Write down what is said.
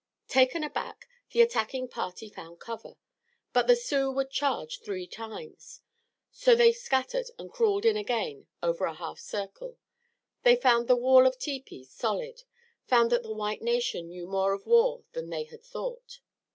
Taken aback, the attacking party found cover. But the Sioux would charge three times. So they scattered and crawled in again over a half circle. They found the wall of tepees solid; found that the white nation knew more of war than they had thought.